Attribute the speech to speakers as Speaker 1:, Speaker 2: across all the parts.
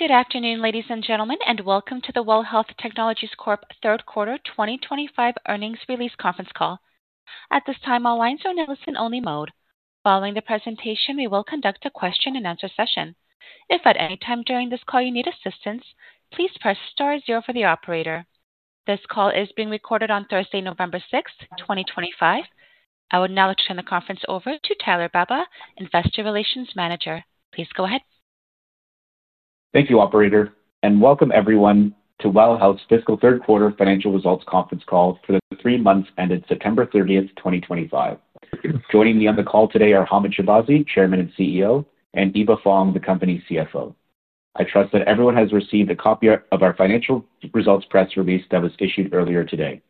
Speaker 1: Good afternoon, ladies and gentlemen, and welcome to the WELL Health Technologies Corp. Third Quarter 2025 earnings release conference call. At this time, all lines are in listen-only mode. Following the presentation, we will conduct a question-and-answer session. If at any time during this call you need assistance, please press star zero for the operator. This call is being recorded on Thursday, November 6th, 2025. I will now turn the conference over to Tyler Baba, Investor Relations Manager. Please go ahead.
Speaker 2: Thank you, Operator, and welcome everyone to WELL Health's Fiscal Third Quarter Financial Results Conference Call for the three months ended September 30, 2025. Joining me on the call today are Hamed Shahbazi, Chairman and CEO, and Eva Fong, the Company's CFO. I trust that everyone has received a copy of our financial results press release that was issued earlier today.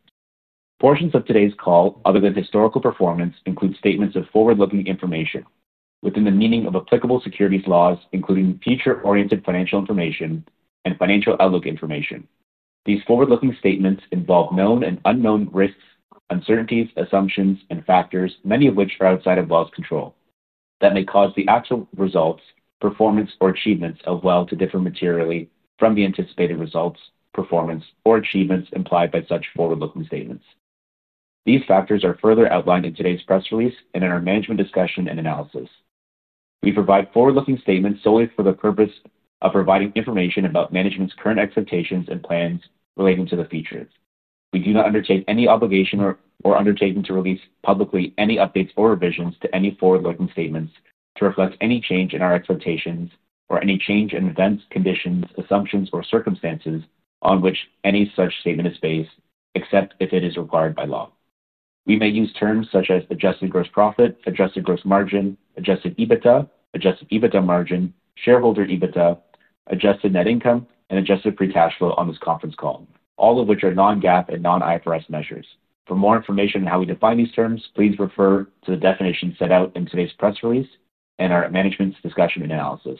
Speaker 2: Portions of today's call, other than historical performance, include statements of forward-looking information within the meaning of applicable securities laws, including future-oriented financial information and financial outlook information. These forward-looking statements involve known and unknown risks, uncertainties, assumptions, and factors, many of which are outside of WELL's control that may cause the actual results, performance, or achievements of WELL to differ materially from the anticipated results, performance, or achievements implied by such forward-looking statements. These factors are further outlined in today's press release and in our management discussion and analysis. We provide forward-looking statements solely for the purpose of providing information about management's current expectations and plans relating to the future. We do not undertake any obligation or undertake to release publicly any updates or revisions to any forward-looking statements to reflect any change in our expectations or any change in events, conditions, assumptions, or circumstances on which any such statement is based, except if it is required by law. We may use terms such as adjusted gross profit, adjusted gross margin, adjusted EBITDA, adjusted EBITDA margin, shareholder EBITDA, adjusted net income, and adjusted free cash flow on this conference call, all of which are non-GAAP and non-IFRS measures. For more information on how we define these terms, please refer to the definition set out in today's press release and our management's discussion and analysis.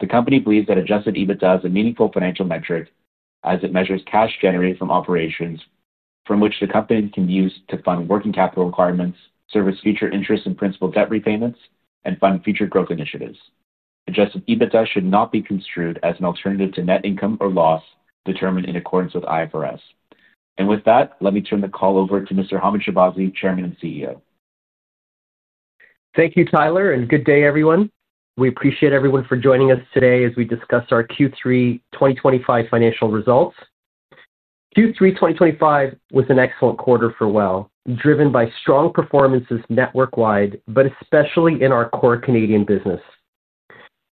Speaker 2: The Company believes that adjusted EBITDA is a meaningful financial metric as it measures cash generated from operations from which the Company can be used to fund working capital requirements, service future interest and principal debt repayments, and fund future growth initiatives. Adjusted EBITDA should not be construed as an alternative to net income or loss determined in accordance with IFRS. Let me turn the call over to Mr. Hamed Shahbazi, Chairman and CEO.
Speaker 3: Thank you, Tyler, and good day, everyone. We appreciate everyone for joining us today as we discuss our Q3 2025 financial results. Q3 2025 was an excellent quarter for WELL, driven by strong performances network-wide, but especially in our core Canadian business.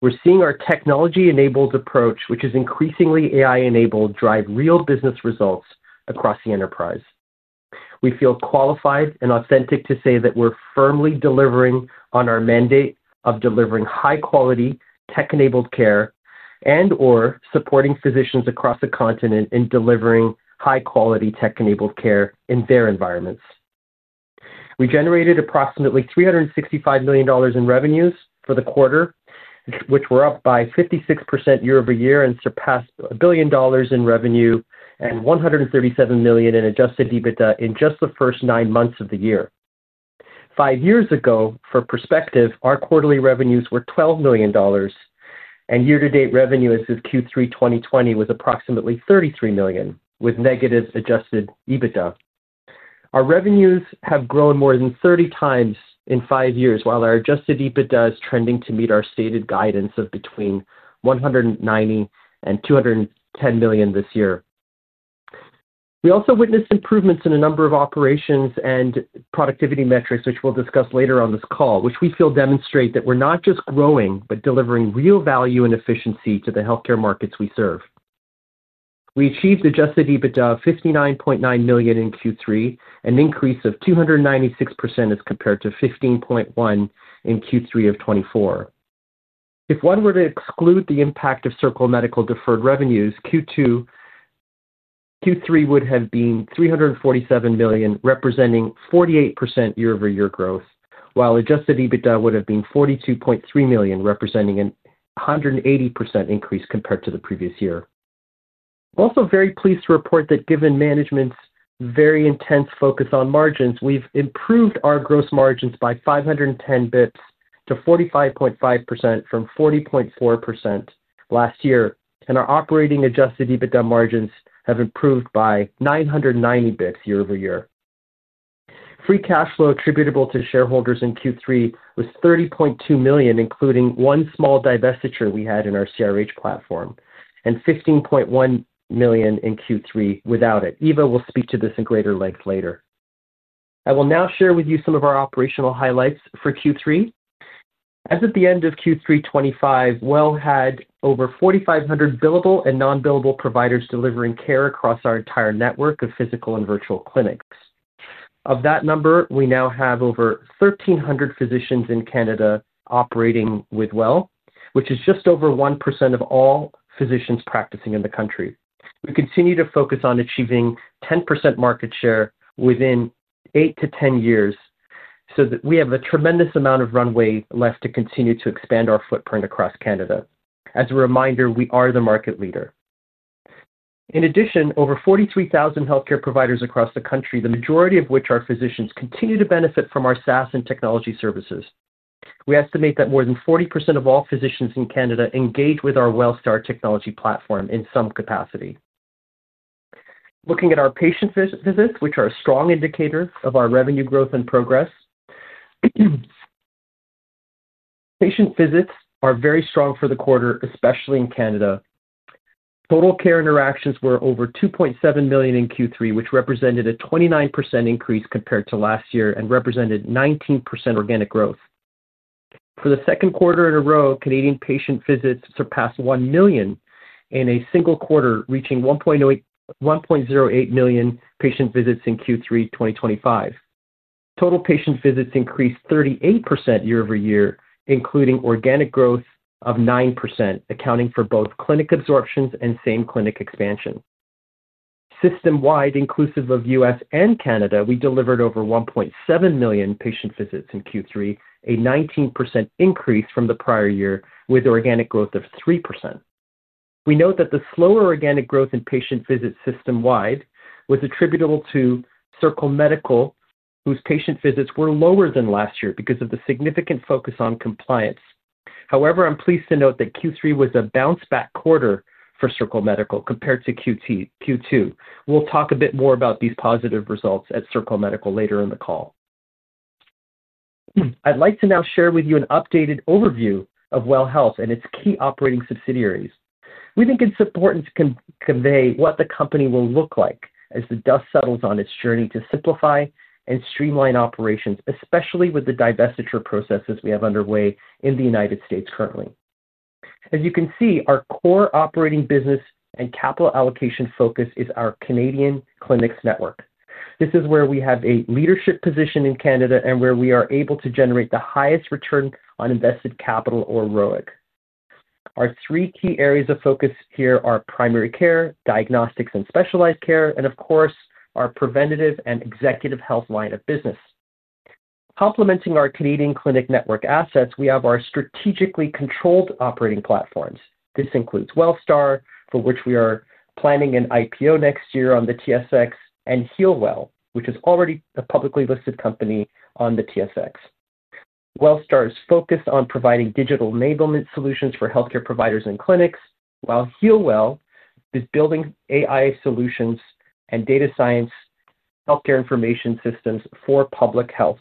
Speaker 3: We're seeing our technology-enabled approach, which is increasingly AI-enabled, drive real business results across the enterprise. We feel qualified and authentic to say that we're firmly delivering on our mandate of delivering high-quality tech-enabled care and/or supporting physicians across the continent in delivering high-quality tech-enabled care in their environments. We generated approximately 365 million dollars in revenues for the quarter, which were up by 56% year-over-year and surpassed 1 billion dollars in revenue and 137 million in adjusted EBITDA in just the first nine months of the year. Five years ago, for perspective, our quarterly revenues were 12 million dollars. Year-to-date revenue as of Q3 2020 was approximately 33 million, with negative adjusted EBITDA. Our revenues have grown more than 30 times in five years, while our adjusted EBITDA is trending to meet our stated guidance of between 190 and 210 million this year. We also witnessed improvements in a number of operations and productivity metrics, which we will discuss later on this call, which we feel demonstrate that we are not just growing but delivering real value and efficiency to the healthcare markets we serve. We achieved adjusted EBITDA of 59.9 billion in Q3, an increase of 296% as compared to 15.1 in Q3 2024. If one were to exclude the impact of Circle Medical deferred revenues, Q2,Q3 would have been 347 million, representing 48% year-over-year growth, while adjusted EBITDA would have been 42.3 million, representing a 180% increase compared to the previous year. I'm also very pleased to report that, given management's very intense focus on margins, we've improved our gross margins by 510 bps to 45.5% from 40.4% last year, and our operating adjusted EBITDA margins have improved by 990 bps year-over-year. Free cash flow attributable to shareholders in Q3 was 30.2 million, including one small divestiture we had in our CRH platform, and 15.1 million in Q3 without it. Eva will speak to this in greater length later. I will now share with you some of our operational highlights for Q3. As of the end of Q3 2025, WELL had over 4,500 billable and non-billable providers delivering care across our entire network of physical and virtual clinics. Of that number, we now have over 1,300 physicians in Canada operating with WELL, which is just over 1% of all physicians practicing in the country. We continue to focus on achieving 10% market share within 8-10 years so that we have a tremendous amount of runway left to continue to expand our footprint across Canada. As a reminder, we are the market leader. In addition, over 43,000 healthcare providers across the country, the majority of which are physicians, continue to benefit from our SaaS and technology services. We estimate that more than 40% of all physicians in Canada engage with our WELLSTAR technology platform in some capacity. Looking at our patient visits, which are a strong indicator of our revenue growth and progress. Patient visits are very strong for the quarter, especially in Canada. Total care interactions were over 2.7 million in Q3, which represented a 29% increase compared to last year and represented 19% organic growth. For the second quarter in a row, Canadian patient visits surpassed 1 million in a single quarter, reaching 1.08 million patient visits in Q3 2025. Total patient visits increased 38% year-over-year, including organic growth of 9%, accounting for both clinic absorptions and same-clinic expansion. System-wide, inclusive of US and Canada, we delivered over 1.7 million patient visits in Q3, a 19% increase from the prior year, with organic growth of 3%. We note that the slower organic growth in patient visits system-wide was attributable to Circle Medical, whose patient visits were lower than last year because of the significant focus on compliance. However, I'm pleased to note that Q3 was a bounce-back quarter for Circle Medical compared to Q2. We'll talk a bit more about these positive results at Circle Medical later in the call. I'd like to now share with you an updated overview of WELL Health and its key operating subsidiaries. We think it's important to convey what the Company will look like as the dust settles on its journey to simplify and streamline operations, especially with the divestiture processes we have underway in the United States currently. As you can see, our core operating business and capital allocation focus is our Canadian clinics network. This is where we have a leadership position in Canada and where we are able to generate the highest return on invested capital, or ROIC. Our three key areas of focus here are primary care, diagnostics and specialized care, and of course, our preventative and executive health line of business. Complementing our Canadian clinic network assets, we have our strategically controlled operating platforms. This includes WELLSTAR, for which we are planning an IPO next year on the TSX, and HealWell, which is already a publicly listed company on the TSX. WELLSTAR is focused on providing digital enablement solutions for healthcare providers and clinics, while HealWell is building AI solutions and data science healthcare information systems for public health,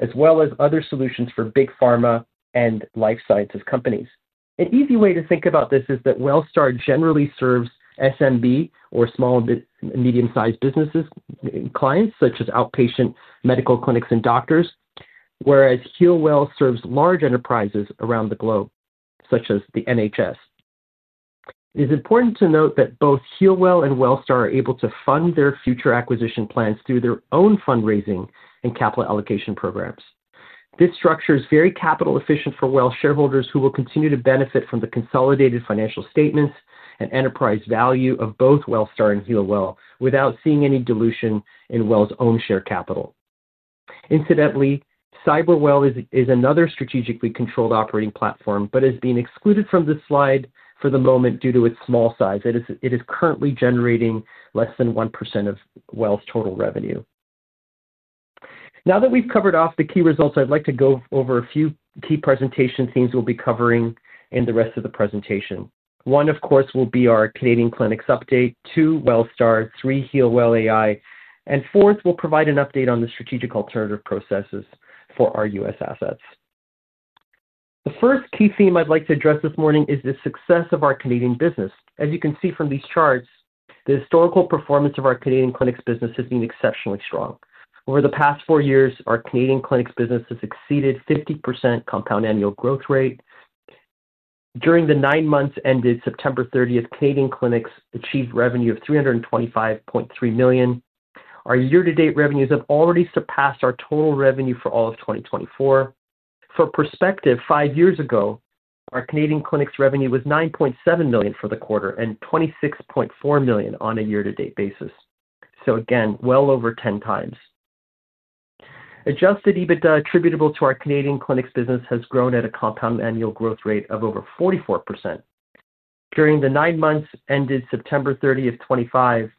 Speaker 3: as well as other solutions for big pharma and life sciences companies. An easy way to think about this is that WELLSTAR generally serves SMB or small and medium-sized businesses and clients, such as outpatient medical clinics and doctors, whereas HealWell serves large enterprises around the globe, such as the NHS. It is important to note that both HealWell and WELLSTAR are able to fund their future acquisition plans through their own fundraising and capital allocation programs. This structure is very capital-efficient for WELL shareholders, who will continue to benefit from the consolidated financial statements and enterprise value of both WELLSTAR and HealWell without seeing any dilution in WELL's own share capital. Incidentally, CyberWell is another strategically controlled operating platform, but has been excluded from this slide for the moment due to its small size. It is currently generating less than 1% of WELL's total revenue. Now that we've covered off the key results, I'd like to go over a few key presentation themes we'll be covering in the rest of the presentation. One, of course, will be our Canadian clinics update. Two, WELLSTAR. Three, HealWell AI. And fourth, we'll provide an update on the strategic alternative processes for our US assets. The first key theme I'd like to address this morning is the success of our Canadian business. As you can see from these charts, the historical performance of our Canadian clinics business has been exceptionally strong. Over the past four years, our Canadian clinics business has exceeded a 50% compound annual growth rate. During the nine months ended September 30th, Canadian clinics achieved revenue of 325.3 million. Our year-to-date revenues have already surpassed our total revenue for all of 2024. For perspective, five years ago, our Canadian clinics revenue was 9.7 million for the quarter and 26.4 million on a year-to-date basis. Again, well over 10 times. Adjusted EBITDA attributable to our Canadian clinics business has grown at a compound annual growth rate of over 44%. During the nine months ended September 30, 2025,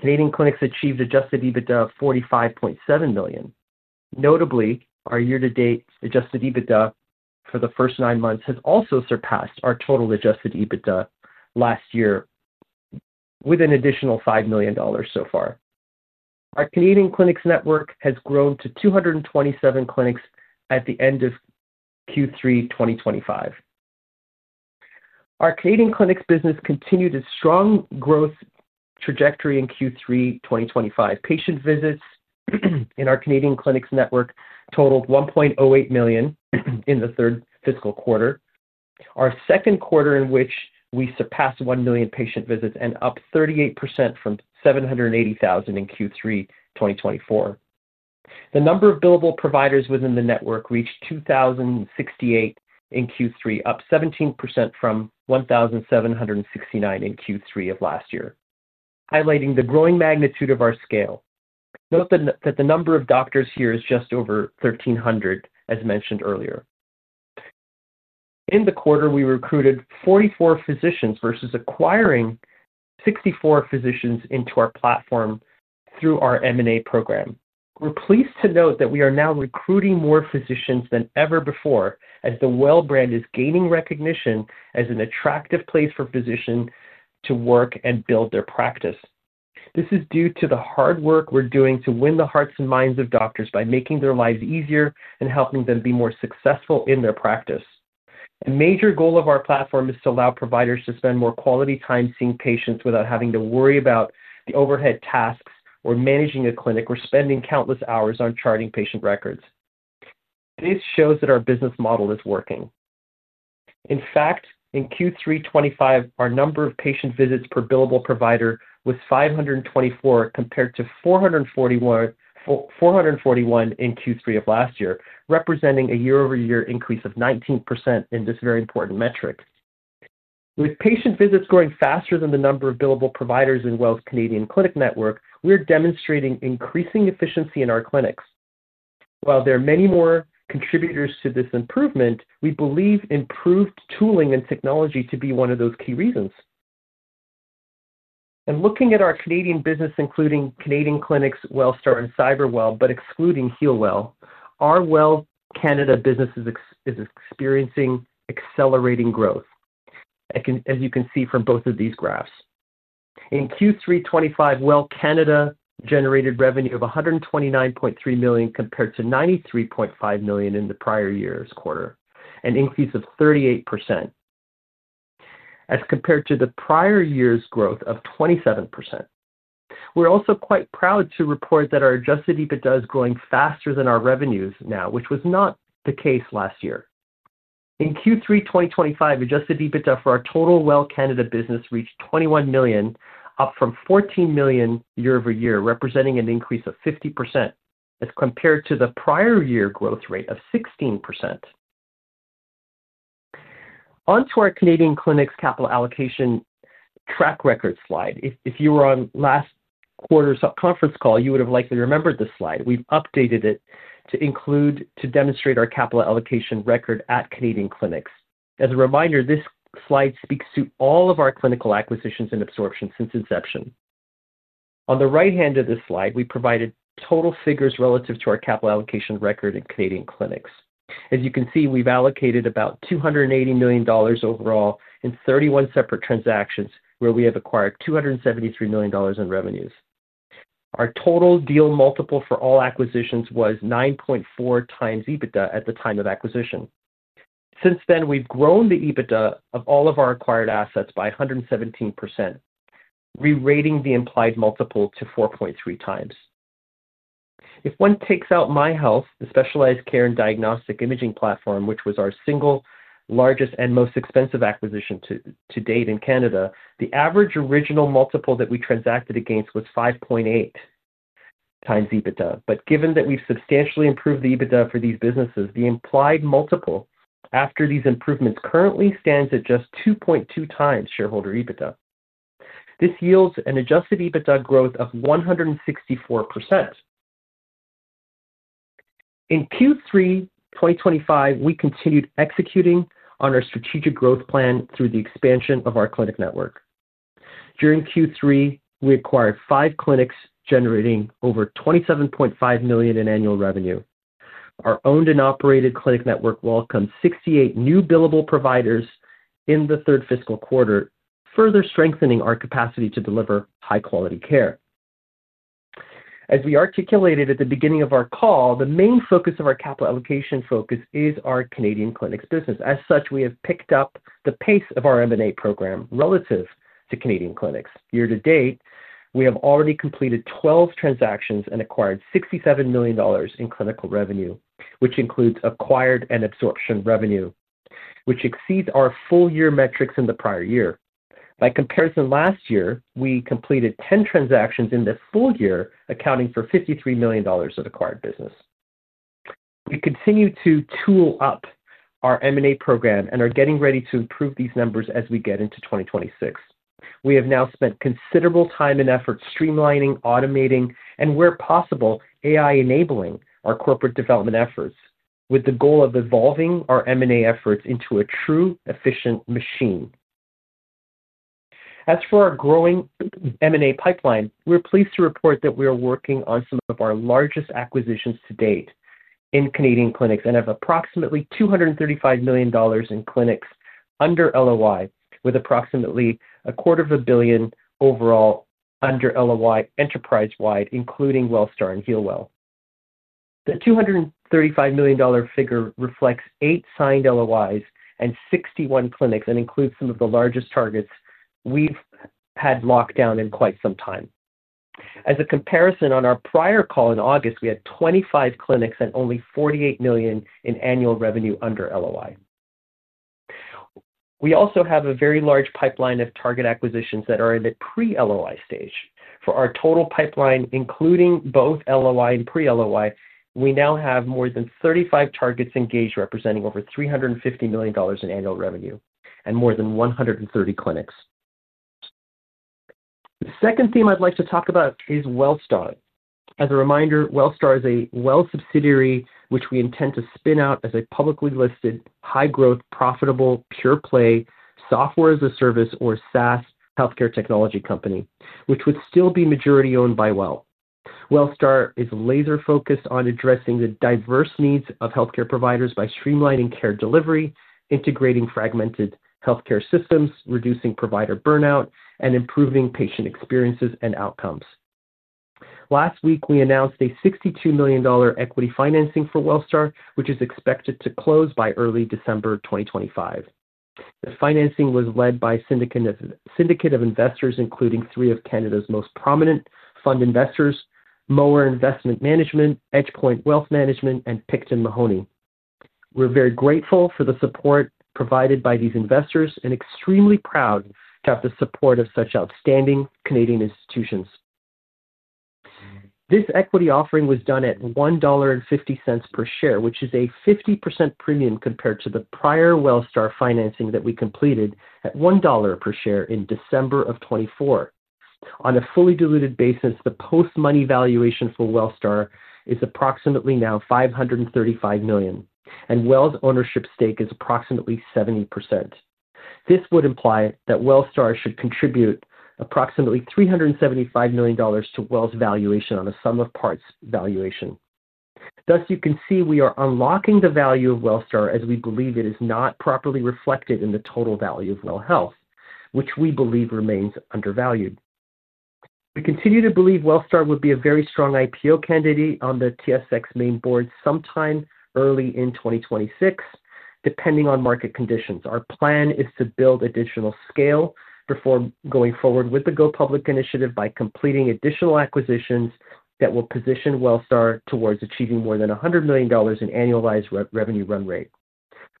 Speaker 3: Canadian clinics achieved adjusted EBITDA of 45.7 million. Notably, our year-to-date adjusted EBITDA for the first nine months has also surpassed our total adjusted EBITDA last year, with an additional 5 million dollars so far. Our Canadian clinics network has grown to 227 clinics at the end of Q3 2025. Our Canadian clinics business continued a strong growth trajectory in Q3 2025. Patient visits in our Canadian clinics network totaled 1.08 million in the third fiscal quarter, our second quarter in which we surpassed 1 million patient visits and up 38% from 780,000 in Q3 2024. The number of billable providers within the network reached 2,068 in Q3, up 17% from 1,769 in Q3 of last year, highlighting the growing magnitude of our scale. Note that the number of doctors here is just over 1,300, as mentioned earlier. In the quarter, we recruited 44 physicians versus acquiring 64 physicians into our platform through our M&A program. We're pleased to note that we are now recruiting more physicians than ever before, as the WELL brand is gaining recognition as an attractive place for physicians to work and build their practice. This is due to the hard work we're doing to win the hearts and minds of doctors by making their lives easier and helping them be more successful in their practice. A major goal of our platform is to allow providers to spend more quality time seeing patients without having to worry about the overhead tasks or managing a clinic or spending countless hours on charting patient records. This shows that our business model is working. In fact, in Q3 2025, our number of patient visits per billable provider was 524, compared to 441 in Q3 of last year, representing a year-over-year increase of 19% in this very important metric. With patient visits growing faster than the number of billable providers in WELL's Canadian clinic network, we're demonstrating increasing efficiency in our clinics. While there are many more contributors to this improvement, we believe improved tooling and technology to be one of those key reasons. Looking at our Canadian business, including Canadian clinics, WELLSTAR, and CyberWell, but excluding HealWell, our WELL Canada business is experiencing accelerating growth, as you can see from both of these graphs. In Q3 2025, WELL Canada generated revenue of 129.3 million compared to 93.5 million in the prior year's quarter, an increase of 38%, as compared to the prior year's growth of 27%. We're also quite proud to report that our adjusted EBITDA is growing faster than our revenues now, which was not the case last year. In Q3 2025, adjusted EBITDA for our total WELL Canada business reached 21 million, up from 14 million year-over-year, representing an increase of 50% as compared to the prior year growth rate of 16%. Onto our Canadian clinics capital allocation track record slide. If you were on last quarter's conference call, you would have likely remembered this slide. We've updated it to demonstrate our capital allocation record at Canadian clinics. As a reminder, this slide speaks to all of our clinical acquisitions and absorptions since inception. On the right hand of this slide, we provided total figures relative to our capital allocation record in Canadian clinics. As you can see, we've allocated about 280 million dollars overall in 31 separate transactions, where we have acquired 273 million dollars in revenues. Our total deal multiple for all acquisitions was 9.4 times EBITDA at the time of acquisition. Since then, we've grown the EBITDA of all of our acquired assets by 117%. Re-rating the implied multiple to 4.3 times. If one takes out MyHealth, the specialized care and diagnostic imaging platform, which was our single largest and most expensive acquisition to date in Canada, the average original multiple that we transacted against was 5.8 times EBITDA. Given that we've substantially improved the EBITDA for these businesses, the implied multiple after these improvements currently stands at just 2.2 times shareholder EBITDA. This yields an adjusted EBITDA growth of 164%. In Q3 2025, we continued executing on our strategic growth plan through the expansion of our clinic network. During Q3, we acquired five clinics, generating over 27.5 million in annual revenue. Our owned and operated clinic network welcomed 68 new billable providers in the third fiscal quarter, further strengthening our capacity to deliver high-quality care. As we articulated at the beginning of our call, the main focus of our capital allocation focus is our Canadian clinics business. As such, we have picked up the pace of our M&A program relative to Canadian clinics. Year-to-date, we have already completed 12 transactions and acquired 67 million dollars in clinical revenue, which includes acquired and absorption revenue, which exceeds our full-year metrics in the prior year. By comparison last year, we completed 10 transactions in this full year, accounting for 53 million dollars of acquired business. We continue to tool up our M&A program and are getting ready to improve these numbers as we get into 2026. We have now spent considerable time and effort streamlining, automating, and where possible, AI-enabling our corporate development efforts, with the goal of evolving our M&A efforts into a true efficient machine. As for our growing M&A pipeline, we're pleased to report that we are working on some of our largest acquisitions to date in Canadian clinics and have approximately 235 million dollars in clinics under LOI, with approximately a quarter of a billion overall under LOI enterprise-wide, including WELLSTAR and HealWell. The 235 million dollar figure reflects eight signed LOIs and 61 clinics and includes some of the largest targets we've had locked down in quite some time. As a comparison, on our prior call in August, we had 25 clinics and only 48 million in annual revenue under LOI. We also have a very large pipeline of target acquisitions that are in the pre-LOI stage. For our total pipeline, including both LOI and pre-LOI, we now have more than 35 targets engaged, representing over 350 million dollars in annual revenue and more than 130 clinics. The second theme I'd like to talk about is WELLSTAR. As a reminder, WELLSTAR is a WELL subsidiary, which we intend to spin out as a publicly listed, high-growth, profitable, pure-play software-as-a-service, or SaaS healthcare technology company, which would still be majority owned by WELL. WELLSTAR is laser-focused on addressing the diverse needs of healthcare providers by streamlining care delivery, integrating fragmented healthcare systems, reducing provider burnout, and improving patient experiences and outcomes. Last week, we announced a 62 million dollar equity financing for WELLSTAR, which is expected to close by early December 2025. The financing was led by a syndicate of investors, including three of Canada's most prominent fund investors, Mawer Investment Management, EdgePoint Wealth Management, and Picton Mahoney. We're very grateful for the support provided by these investors and extremely proud to have the support of such outstanding Canadian institutions. This equity offering was done at 1.50 dollar per share, which is a 50% premium compared to the prior WELLSTAR financing that we completed at 1 dollar per share in December of 2024. On a fully diluted basis, the post-money valuation for WELLSTAR is approximately now 535 million, and WELL's ownership stake is approximately 70%. This would imply that WELLSTAR should contribute approximately 375 million dollars to WELL's valuation on a sum of parts valuation. Thus, you can see we are unlocking the value of WELLSTAR as we believe it is not properly reflected in the total value of WELL Health, which we believe remains undervalued. We continue to believe WELLSTAR would be a very strong IPO candidate on the TSX main board sometime early in 2026, depending on market conditions. Our plan is to build additional scale before going forward with the Go Public initiative by completing additional acquisitions that will position WELLSTAR towards achieving more than 100 million dollars in annualized revenue run rate.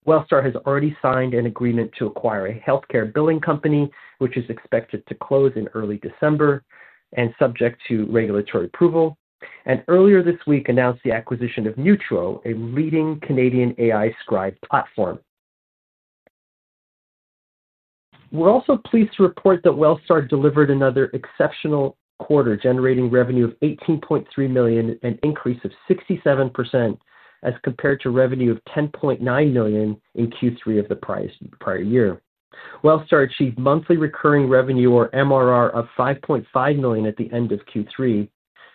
Speaker 3: WELLSTAR has already signed an agreement to acquire a healthcare billing company, which is expected to close in early December, subject to regulatory approval, and earlier this week announced the acquisition of Neutro, a leading Canadian AI scribe platform. We are also pleased to report that WELLSTAR delivered another exceptional quarter, generating revenue of 18.3 million, an increase of 67% as compared to revenue of 10.9 million in Q3 of the prior year. WELLSTAR achieved monthly recurring revenue, or MRR, of 5.5 million at the end of Q3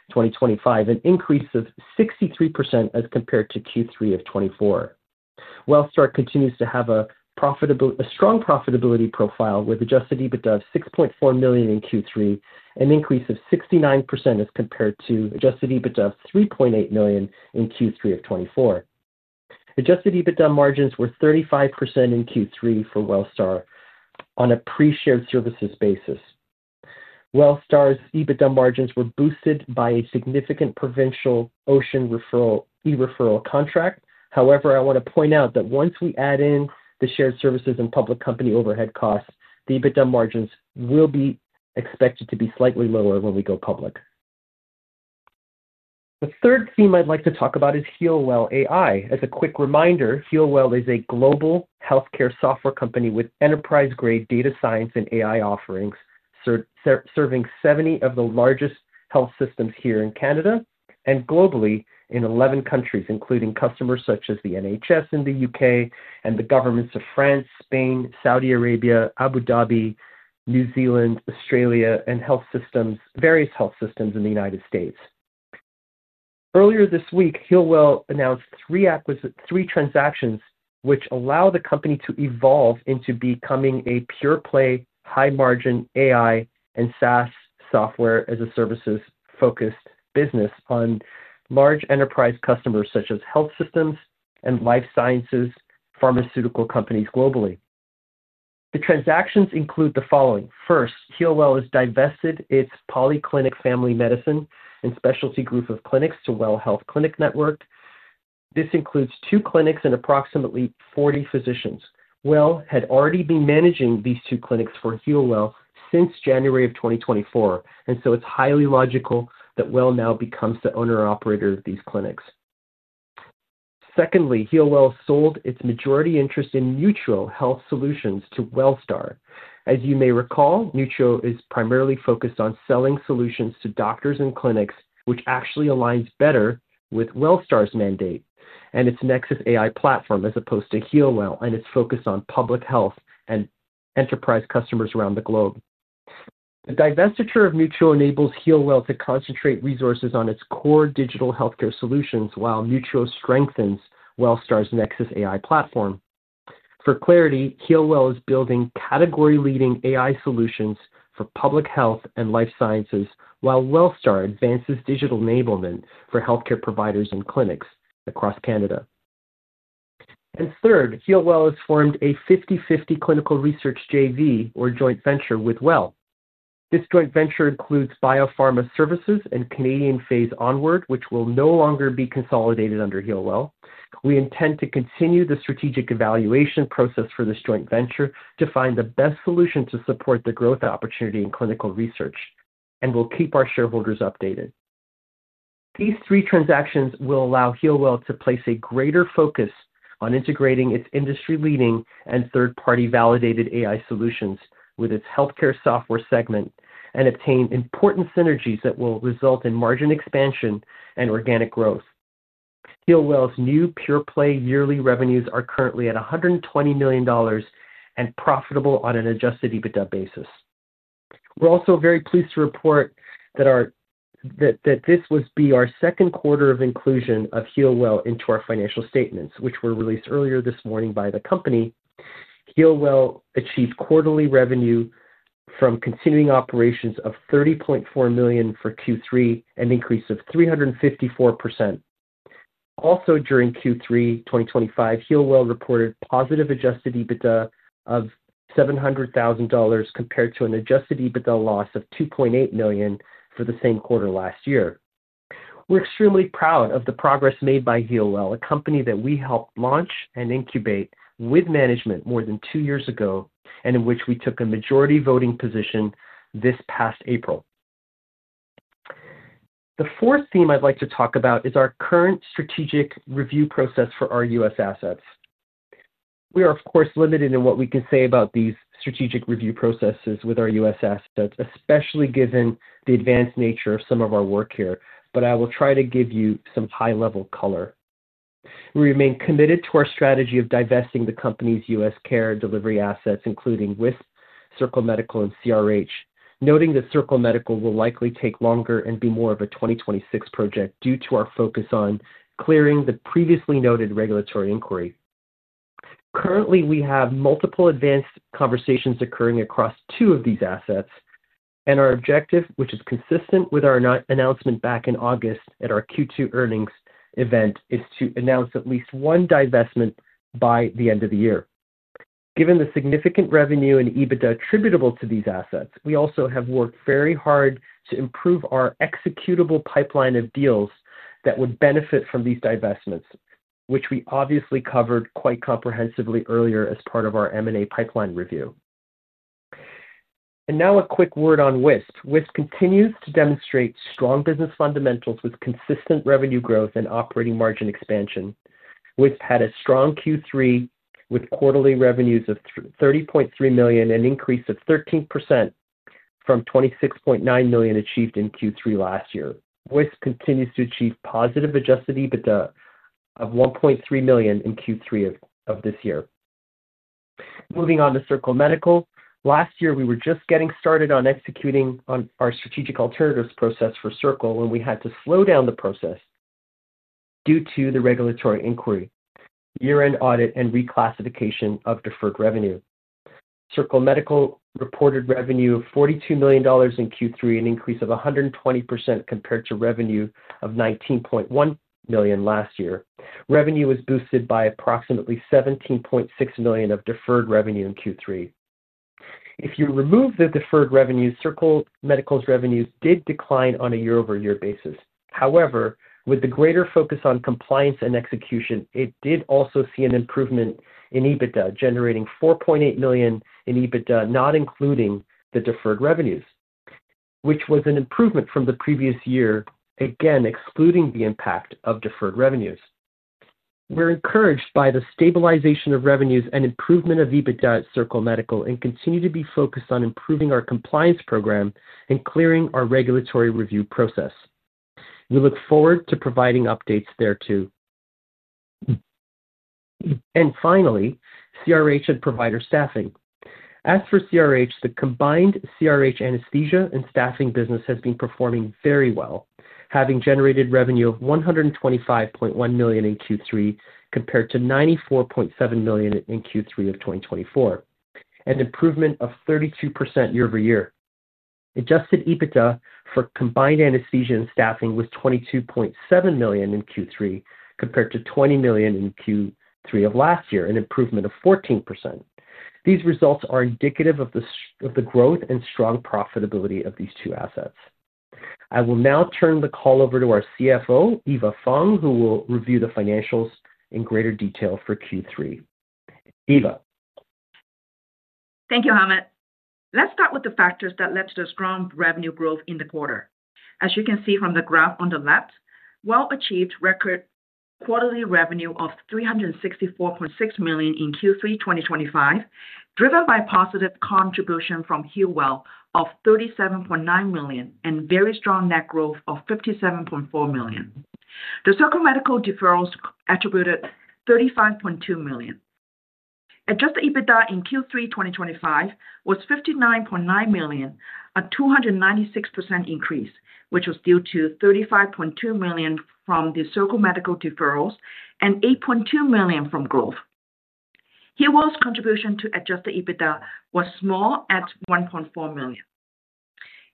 Speaker 3: 2025, an increase of 63% as compared to Q3 of 2024. WELLSTAR continues to have a strong profitability profile with adjusted EBITDA of 6.4 million in Q3, an increase of 69% as compared to adjusted EBITDA of 3.8 million in Q3 of 2024. Adjusted EBITDA margins were 35% in Q3 for WELLSTAR on a pre-shared services basis. WELLSTAR's EBITDA margins were boosted by a significant provincial Ocean eHealth e-referral contract. However, I want to point out that once we add in the shared services and public company overhead costs, the EBITDA margins will be expected to be slightly lower when we go public. The third theme I would like to talk about is HealWell AI. As a quick reminder, HealWell is a global healthcare software company with enterprise-grade data science and AI offerings. Serving 70 of the largest health systems here in Canada and globally in 11 countries, including customers such as the NHS in the U.K. and the governments of France, Spain, Saudi Arabia, Abu Dhabi, New Zealand, Australia, and various health systems in the United States. Earlier this week, HealWell announced three transactions which allow the company to evolve into becoming a pure-play, high-margin AI and SaaS software-as-a-service focused business on large enterprise customers such as health systems and life sciences pharmaceutical companies globally. The transactions include the following. First, HealWell has divested its polyclinic family medicine and specialty group of clinics to WELL Health Clinic Network. This includes two clinics and approximately 40 physicians. WELL had already been managing these two clinics for HealWell since January of 2024, and so it's highly logical that WELL now becomes the owner-operator of these clinics. Secondly, HealWell sold its majority interest in Neutro Health Solutions to WELLSTAR. As you may recall, Neutro is primarily focused on selling solutions to doctors and clinics, which actually aligns better with WELLSTAR's mandate and its Nexus AI platform as opposed to HealWell and its focus on public health and enterprise customers around the globe. The divestiture of Neutro enables HealWell to concentrate resources on its core digital healthcare solutions while Neutro strengthens WELLSTAR's Nexus AI platform. For clarity, HealWell is building category-leading AI solutions for public health and life sciences while WELLSTAR advances digital enablement for healthcare providers and clinics across Canada. Third, HealWell has formed a 50/50 clinical research JV, or joint venture, with WELL. This joint venture includes biopharma services and Canadian phase onward, which will no longer be consolidated under HealWell. We intend to continue the strategic evaluation process for this joint venture to find the best solution to support the growth opportunity in clinical research and will keep our shareholders updated. These three transactions will allow HealWell to place a greater focus on integrating its industry-leading and third-party validated AI solutions with its healthcare software segment and obtain important synergies that will result in margin expansion and organic growth. HealWell's new pure-play yearly revenues are currently at 120 million dollars and profitable on an adjusted EBITDA basis. We are also very pleased to report that this would be our second quarter of inclusion of HealWell into our financial statements, which were released earlier this morning by the company. HealWell achieved quarterly revenue from continuing operations of 30.4 million for Q3, an increase of 354%. Also, during Q3 2025, HealWell reported positive adjusted EBITDA of 700,000 dollars compared to an adjusted EBITDA loss of 2.8 million for the same quarter last year. We're extremely proud of the progress made by HealWell, a company that we helped launch and incubate with management more than two years ago and in which we took a majority voting position this past April. The fourth theme I'd like to talk about is our current strategic review process for our US assets. We are, of course, limited in what we can say about these strategic review processes with our US assets, especially given the advanced nature of some of our work here, but I will try to give you some high-level color. We remain committed to our strategy of divesting the company's US care delivery assets, including Wisp, Circle Medical, and CRH, noting that Circle Medical will likely take longer and be more of a 2026 project due to our focus on clearing the previously noted regulatory inquiry. Currently, we have multiple advanced conversations occurring across two of these assets, and our objective, which is consistent with our announcement back in August at our Q2 earnings event, is to announce at least one divestment by the end of the year. Given the significant revenue and EBITDA attributable to these assets, we also have worked very hard to improve our executable pipeline of deals that would benefit from these divestments, which we obviously covered quite comprehensively earlier as part of our M&A pipeline review. Now a quick word on Wisp. Wisp continues to demonstrate strong business fundamentals with consistent revenue growth and operating margin expansion. Wisp had a strong Q3 with quarterly revenues of 30.3 million and an increase of 13% from 26.9 million achieved in Q3 last year. Wisp continues to achieve positive adjusted EBITDA of 1.3 million in Q3 of this year. Moving on to Circle Medical, last year, we were just getting started on executing our strategic alternatives process for Circle, and we had to slow down the process. Due to the regulatory inquiry, year-end audit, and reclassification of deferred revenue. Circle Medical reported revenue of 42 million dollars in Q3, an increase of 120% compared to revenue of 19.1 million last year. Revenue was boosted by approximately 17.6 million of deferred revenue in Q3. If you remove the deferred revenues, Circle Medical's revenues did decline on a year-over-year basis. However, with the greater focus on compliance and execution, it did also see an improvement in EBITDA, generating 4.8 million in EBITDA, not including the deferred revenues, which was an improvement from the previous year, again excluding the impact of deferred revenues. We are encouraged by the stabilization of revenues and improvement of EBITDA at Circle Medical and continue to be focused on improving our compliance program and clearing our regulatory review process. We look forward to providing updates there too. Finally, CRH and provider staffing. As for CRH, the combined CRH anesthesia and staffing business has been performing very well, having generated revenue of 125.1 million in Q3 compared to 94.7 million in Q3 of 2023, an improvement of 32% year-over-year. Adjusted EBITDA for combined anesthesia and staffing was 22.7 million in Q3 compared to 20 million in Q3 of last year, an improvement of 14%. These results are indicative of the growth and strong profitability of these two assets. I will now turn the call over to our CFO, Eva Fong, who will review the financials in greater detail for Q3. Eva.
Speaker 4: Thank you, Hamed. Let's start with the factors that led to this strong revenue growth in the quarter. As you can see from the graph on the left, WELL achieved record quarterly revenue of 364.6 million in Q3 2025, driven by positive contribution from HealWell of 37.9 million and very strong net growth of 57.4 million. The Circle Medical deferrals attributed 35.2 million. Adjusted EBITDA in Q3 2025 was 59.9 million, a 296% increase, which was due to 35.2 million from the Circle Medical deferrals and 8.2 million from growth. HealWell's contribution to adjusted EBITDA was small at 1.4 million.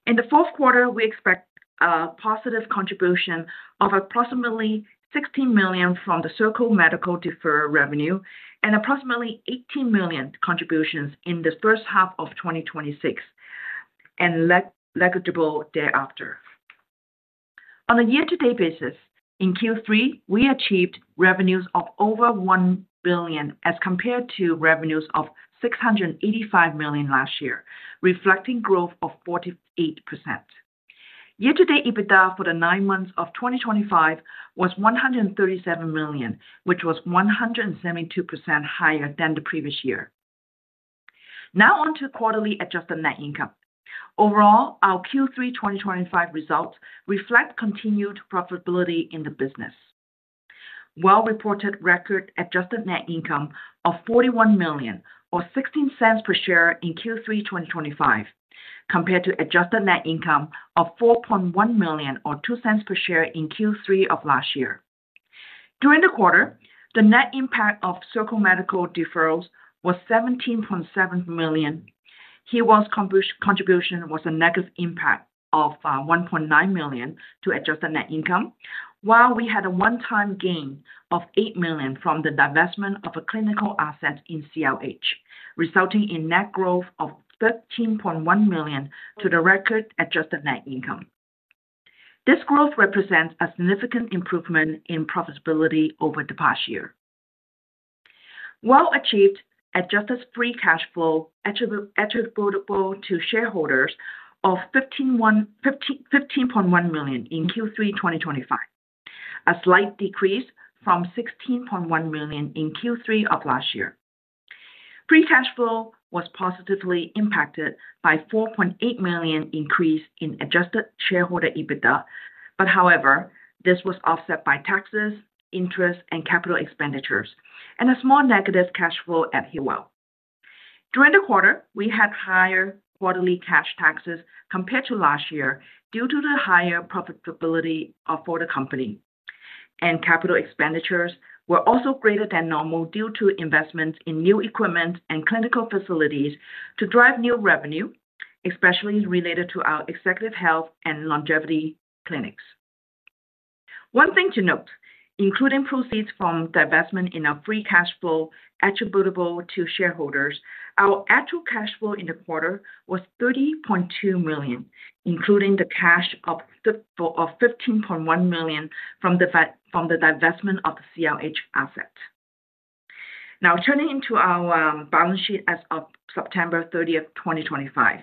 Speaker 4: In the fourth quarter, we expect a positive contribution of approximately 16 million from the Circle Medical deferred revenue and approximately 18 million contributions in the first half of 2026. Negligible thereafter. On a year-to-date basis, in Q3, we achieved revenues of over 1 billion as compared to revenues of 685 million last year, reflecting growth of 48%. Year-to-date EBITDA for the nine months of 2025 was 137 million, which was 172% higher than the previous year. Now on to quarterly adjusted net income. Overall, our Q3 2025 results reflect continued profitability in the business. WELL reported record adjusted net income of 41 million, or 0.16 per share, in Q3 2025, compared to adjusted net income of 4.1 million, or 0.02 per share, in Q3 of last year. During the quarter, the net impact of Circle Medical deferrals was 17.7 million. HealWell's contribution was a negative impact of 1.9 million to adjusted net income, while we had a one-time gain of 8 million from the divestment of a clinical asset in CRH, resulting in net growth of 13.1 million to the record adjusted net income. This growth represents a significant improvement in profitability over the past year. WELL achieved adjusted free cash flow attributable to shareholders of 15.1 million in Q3 2025. A slight decrease from 16.1 million in Q3 of last year. Free cash flow was positively impacted by a 4.8 million increase in adjusted shareholder EBITDA, but however, this was offset by taxes, interest, and capital expenditures, and a small negative cash flow at HealWell. During the quarter, we had higher quarterly cash taxes compared to last year due to the higher profitability for the company. Capital expenditures were also greater than normal due to investments in new equipment and clinical facilities to drive new revenue, especially related to our executive health and longevity clinics. One thing to note, including proceeds from divestment in our free cash flow attributable to shareholders, our actual cash flow in the quarter was 30.2 million, including the cash of 15.1 million from the divestment of the CRH asset. Now turning to our balance sheet as of September 30, 2025.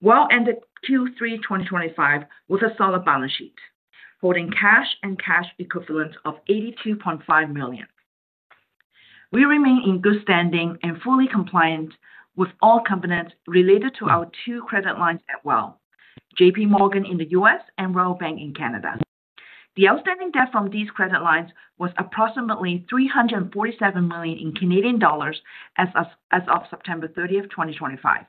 Speaker 4: WELL ended Q3 2025 with a solid balance sheet, holding cash and cash equivalents of 82.5 million. We remain in good standing and fully compliant with all components related to our two credit lines at WELL, JPMorgan Chase in the United States and Royal Bank of Canada. The outstanding debt from these credit lines was approximately 347 million as of September 30, 2025.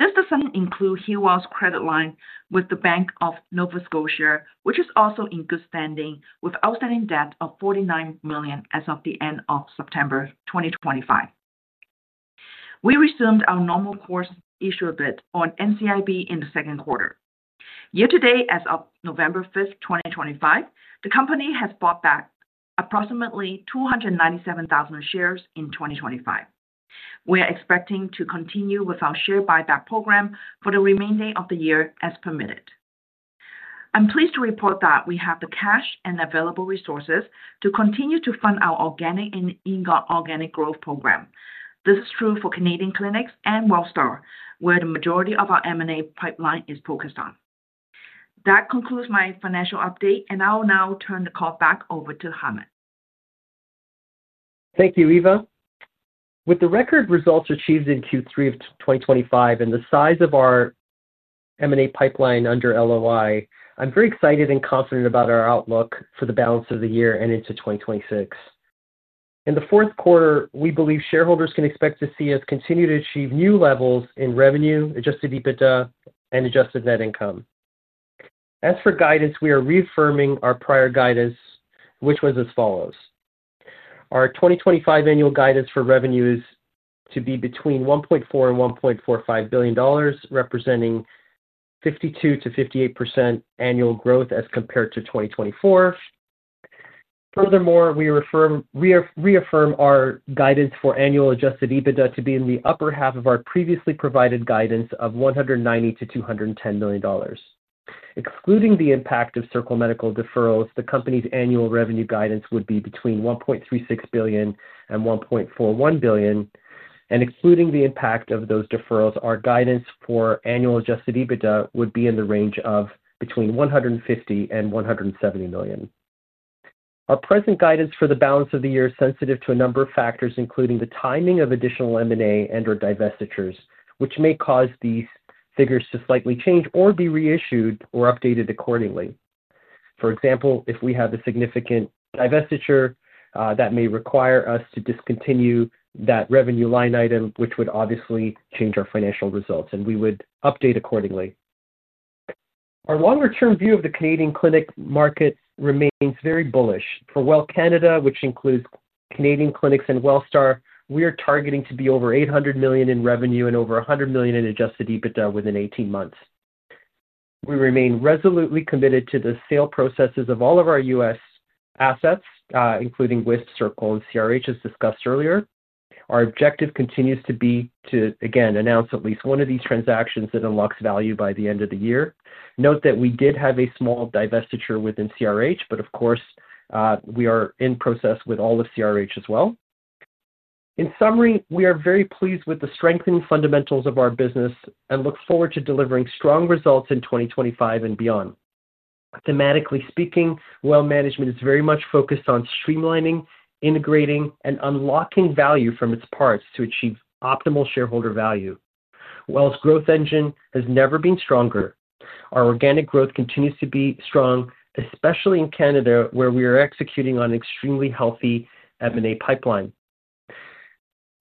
Speaker 4: This does not include HealWell's credit line with the Bank of Nova Scotia, which is also in good standing with outstanding debt of 49 million as of the end of September 2025. We resumed our normal course issuer bid on NCIB in the second quarter. Year-to-date as of November 5, 2025, the company has bought back approximately 297,000 shares in 2025. We are expecting to continue with our share buyback program for the remainder of the year as permitted. I am pleased to report that we have the cash and available resources to continue to fund our organic and inorganic growth program. This is true for Canadian clinics and WELLSTAR, where the majority of our M&A pipeline is focused. That concludes my financial update, and I will now turn the call back over to Hamed.
Speaker 3: Thank you, Eva. With the record results achieved in Q3 of 2025 and the size of our M&A pipeline under LOI, I'm very excited and confident about our outlook for the balance of the year and into 2026. In the fourth quarter, we believe shareholders can expect to see us continue to achieve new levels in revenue, adjusted EBITDA, and adjusted net income. As for guidance, we are reaffirming our prior guidance, which was as follows. Our 2025 annual guidance for revenue is to be between 1.4 billion and 1.45 billion dollars, representing 52%-58% annual growth as compared to 2024. Furthermore, we reaffirm our guidance for annual adjusted EBITDA to be in the upper half of our previously provided guidance of 190 million-210 million dollars. Excluding the impact of Circle Medical deferrals, the company's annual revenue guidance would be between 1.36 billion and 1.41 billion, and excluding the impact of those deferrals, our guidance for annual adjusted EBITDA would be in the range of between 150 million and 170 million. Our present guidance for the balance of the year is sensitive to a number of factors, including the timing of additional M&A and/or divestitures, which may cause these figures to slightly change or be reissued or updated accordingly. For example, if we have a significant divestiture, that may require us to discontinue that revenue line item, which would obviously change our financial results, and we would update accordingly. Our longer-term view of the Canadian clinic market remains very bullish. For WELL Canada, which includes Canadian clinics and WELLSTAR, we are targeting to be over 800 million in revenue and over 100 million in adjusted EBITDA within 18 months. We remain resolutely committed to the sale processes of all of our US assets, including Wisp, Circle Medical, and CRH Healthcare, as discussed earlier. Our objective continues to be, again, to announce at least one of these transactions that unlocks value by the end of the year. Note that we did have a small divestiture within CRH Healthcare, but of course, we are in process with all of CRH Healthcare as well. In summary, we are very pleased with the strengthened fundamentals of our business and look forward to delivering strong results in 2025 and beyond. Thematically speaking, WELL management is very much focused on streamlining, integrating, and unlocking value from its parts to achieve optimal shareholder value. WELL's growth engine has never been stronger. Our organic growth continues to be strong, especially in Canada, where we are executing on an extremely healthy M&A pipeline.